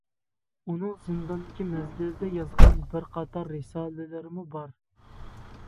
ئۇنىڭ زىنداندىكى مەزگىلىدە يازغان بىر قاتار رىسالىلىرىمۇ بار.